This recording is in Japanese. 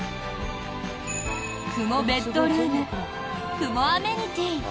雲ベッドルーム雲アメニティー